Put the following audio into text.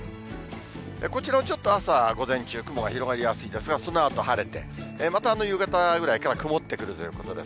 こちらもちょっと朝は午前中、雲が広がりやすいですが、そのあと晴れて、また夕方ぐらいから曇ってくるということです。